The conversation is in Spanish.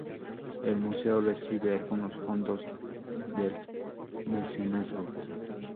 El museo recibe algunos fondos del mecenazgo.